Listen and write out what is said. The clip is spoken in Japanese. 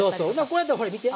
これやったらほら見て。